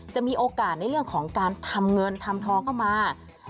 จะมีโอกาสในเรื่องของการทำเงินทำทองเข้ามา